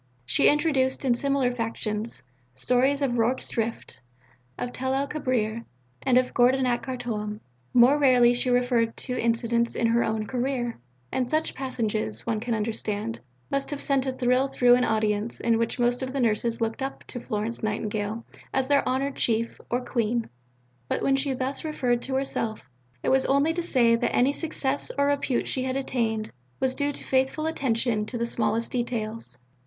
She introduced, in similar fashion, stories of Rorke's Drift, of Tel el Kebir, and of Gordon at Khartoum. More rarely she referred to incidents in her own career, and such passages, one can understand, must have sent a thrill through an audience in which most of the Nurses looked up to Florence Nightingale as their "honoured Chief" or "Queen." But when she thus referred to herself, it was only to say that any success or repute she had attained was due to faithful attention to the smallest details.